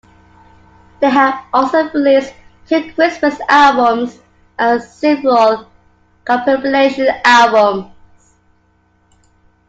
They have also released two Christmas albums and several compilation albums.